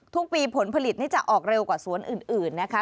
ทุกปีผลผลิตนี่จะออกเร็วกว่าสวนอื่นนะคะ